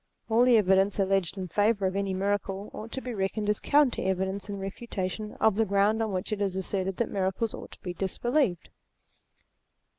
All the evidence alleged in favour of any miracle ought to be reckoned as counter evidence in refutation of the ground on which it is asserted that miracles ought to be disbelieved.